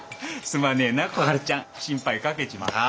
すまねえな小春ちゃん心配かけちまって。